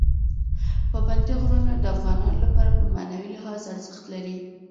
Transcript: پابندی غرونه د افغانانو لپاره په معنوي لحاظ ارزښت لري.